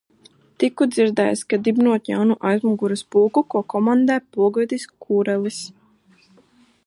Tiku dzirdējis, ka dibinot jaunu aizmugures pulku, ko komandē pulkvedis Kurelis.